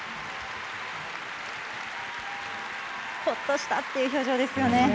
ほっとしたという表情ですよね。